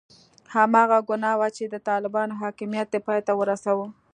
هماغه ګناه وه چې د طالبانو حاکمیت یې پای ته ورساوه.